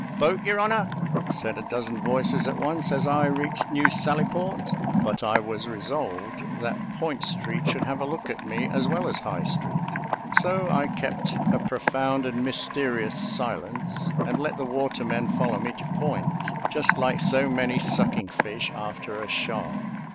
"Boat, your honour?" said a dozen voices at once, as I reached New Sallyport; but I was resolved that Point street should have a look at me, as well as High street; so I kept a profound and mysterious silence, and let the watermen follow me to Point, just like so many sucking fish after a shark.